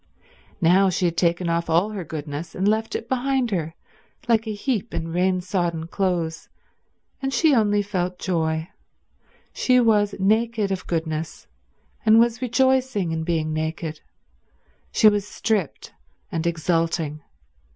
Now she had taken off all her goodness and left it behind her like a heap in rain sodden clothes, and she only felt joy. She was naked of goodness, and was rejoicing in being naked. She was stripped, and exulting.